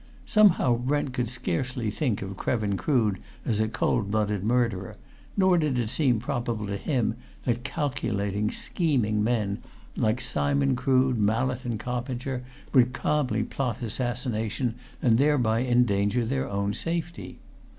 Somehow, Brent could scarcely think of Krevin Crood as a cold blooded murderer, nor did it seem probable to him that calculating, scheming men like Simon Crood, Mallett, and Coppinger would calmly plot assassination and thereby endanger their own safety.